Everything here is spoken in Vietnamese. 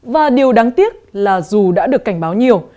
và điều đáng tiếc là dù đã được cảnh báo nhiều